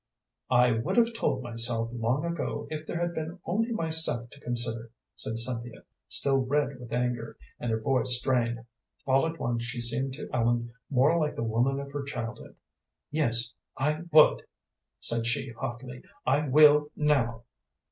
"I would have told, myself, long ago if there had been only myself to consider," said Cynthia, still red with anger, and her voice strained. All at once she seemed to Ellen more like the woman of her childhood. "Yes, I would," said she, hotly "I will now."